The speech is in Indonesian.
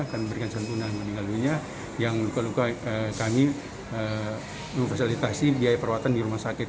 kami berikan santunan meninggal dunia yang luka luka kami memfasilitasi biaya perawatan di rumah sakit